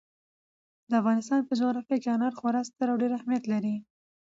د افغانستان په جغرافیه کې انار خورا ستر او ډېر اهمیت لري.